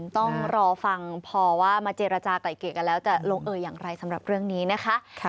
ต้องรอฟังพอว่ามาเจรจากลายเกลียดกันแล้วจะลงเอออย่างไรสำหรับเรื่องนี้นะคะ